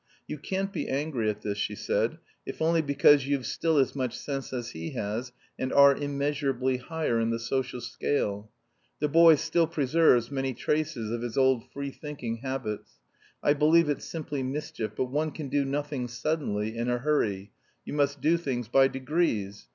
"You can't be angry at this," she said, "if only because you've still as much sense as he has, and are immeasurably higher in the social scale. The boy still preserves many traces of his old free thinking habits; I believe it's simply mischief; but one can do nothing suddenly, in a hurry; you must do things by degrees.